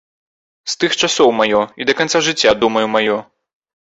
З тых часоў маё і да канца жыцця, думаю, маё.